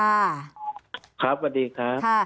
ครับสวัสดีค่ะ